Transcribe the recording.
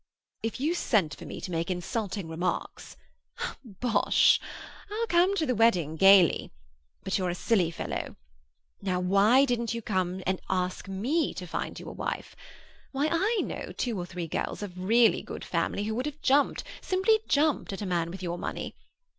"If you sent for me to make insulting remarks—" "Bosh! I'll come to the wedding gaily. But you're a silly fellow. Now, why didn't you come and ask me to find you a wife? Why, I know two or three girls of really good family who would have jumped, simply jumped, at a man with your money.